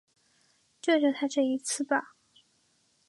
救救他这一次吧